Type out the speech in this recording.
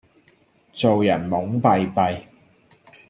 做人懵閉閉